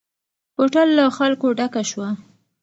کوټه له خلکو ډکه شوه.